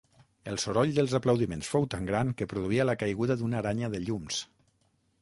El soroll dels aplaudiments fou tan gran que produïa la caiguda d'una aranya de llums.